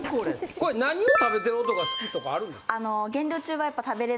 ・これ何を食べてる音が好きとかあるんですか？